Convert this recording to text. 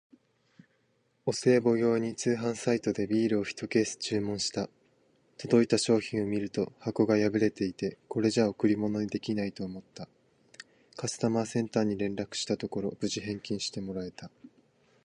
お歳暮用に通販サイトでビールをひとケース注文した。届いた商品を見ると箱が破れていて、これじゃ贈り物にできないと思った。カスタマーセンターに連絡したところ、無事返金してもらえた！